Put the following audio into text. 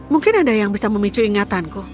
mungkin ada yang bisa memicu ingatanku